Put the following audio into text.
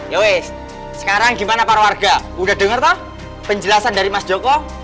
yowes sekarang gimana para warga udah denger toh penjelasan dari mas joko